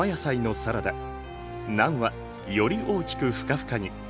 ナンはより大きくふかふかに。